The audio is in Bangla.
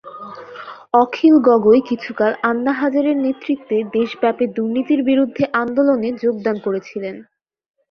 অখিল গগৈ কিছুকাল আন্না হাজারের নেতৃত্বে দেশব্যাপী দুর্নীতির বিরূদ্ধে আন্দোলনে যোগদান করেছিলেন।